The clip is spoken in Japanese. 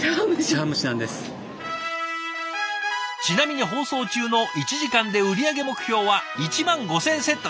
ちなみに放送中の１時間で売り上げ目標は１万５，０００セット。